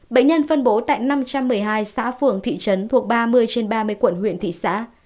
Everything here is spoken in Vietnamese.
bệnh nhân phân bố tại năm trăm một mươi hai xã phường thị trấn thuộc ba mươi trên ba mươi quận huyện thị xã